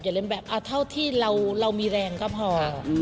อย่าเลี้ยนแบบอ่าเท่าที่เราเรามีแรงก็พอ